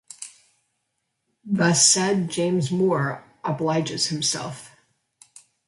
The said James Moore obliges himself.